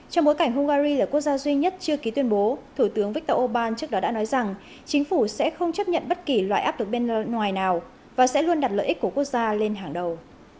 trong bối cảnh hungary là quốc gia duy nhất chưa ký tuyên bố thủ tướng viktor orbán trước đó đã nói rằng chính phủ sẽ không chấp nhận bất kỳ loại áp lực bên ngoài nào và sẽ luôn đặt lợi ích của quốc gia lên hàng đầu